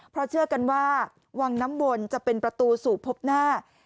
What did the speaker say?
เพราะเชื่อกันว่าวังน้ำวนจะเป็นประตูสู่พบหน้า